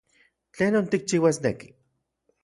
¿Tlenon tikchiuasneki?